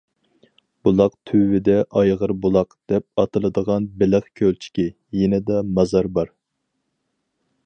بۇلاق تۈۋىدە‹‹ ئايغىر بۇلاق›› دەپ ئاتىلىدىغان بېلىق كۆلچىكى، يېنىدا مازار بار.